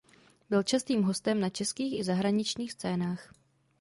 Byl častým hostem na českých i zahraničních scénách.